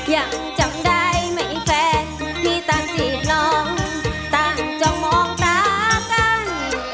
ยังจำได้ไม่แฟนมีตามจีบลองตามจองมองตากัน